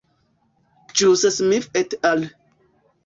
Ĵuse Smith et al.